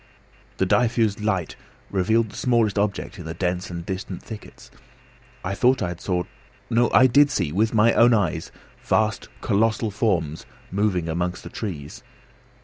The diffused light revealed the smallest object in the dense and distant thickets. I had thought I saw no! I did see, with my own eyes, vast colossal forms moving amongst the trees.